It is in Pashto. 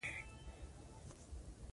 بې صبره چلوونکی خطر لري.